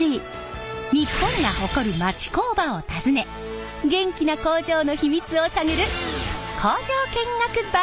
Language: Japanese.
日本が誇る町工場を訪ね元気な工場の秘密を探る